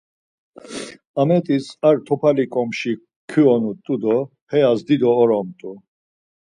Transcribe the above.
Amedis ar topali ǩomşi kuyonut̆u do heyas dido oromt̆u.